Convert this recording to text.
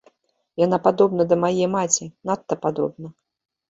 Яна падобна да мае маці, надта падобна.